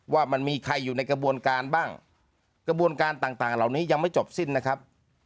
ว่ามันมีใครอยู่ในกระบวนการบ้างกระบวนการต่างต่างเหล่านี้ยังไม่จบสิ้นนะครับ